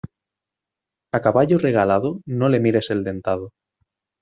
A caballo regalado no le mires el dentado.